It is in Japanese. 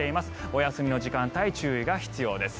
お休みの時間帯注意が必要です。